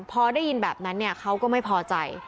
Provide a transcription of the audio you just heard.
พอได้ยินแบบนั้นเขาก็ไม่พอใจ